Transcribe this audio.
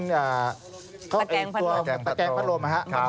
ตะแกงพันโลม